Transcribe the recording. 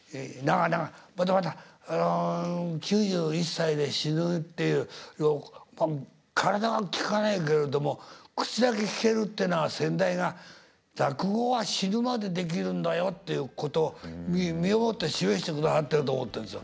それでまた９１歳で死ぬっていう体が利かないけれども口だけきけるっていうのは先代が「落語は死ぬまでできるんだよ」っていうことを身をもって示してくださってると思ってるんですよ。